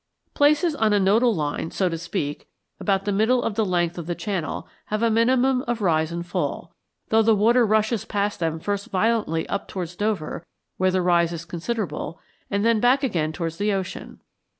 Places on a nodal line, so to speak, about the middle of the length of the channel, have a minimum of rise and fall, though the water rushes past them first violently up towards Dover, where the rise is considerable, and then back again towards the ocean.